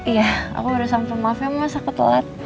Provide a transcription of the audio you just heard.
iya aku baru sampe maaf ya masa aku telat